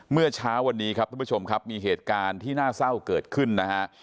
เมื่อเช้าวันนี้ครับท่านผู้ชมครับมีเหตุการณ์ที่น่าเศร้าเกิดขึ้นนะฮะ